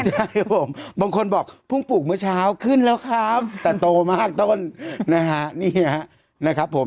ใช่บางคนบอกพรุ่งปลูกเมื่อเช้าขึ้นแล้วครับแต่โตมากต้นนะครับ